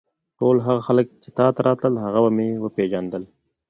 ټول هغه خلک چې تا ته راتلل هغه به مې وپېژندل.